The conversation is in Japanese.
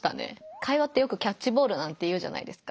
会話ってよくキャッチボールなんて言うじゃないですか。